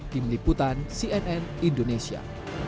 tim liputan cnn indonesia